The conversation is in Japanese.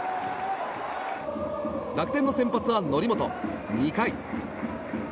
楽天の先発は則本、２回。